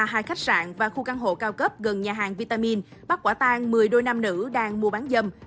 hai khách sạn và khu căn hộ cao cấp gần nhà hàng vitamin bắt quả tan một mươi đôi nam nữ đang mua bán dâm